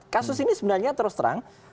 kasus ini sebenarnya terus terang